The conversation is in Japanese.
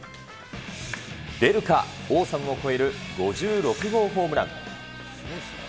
出るか、王さんを超える５６号ホームラン。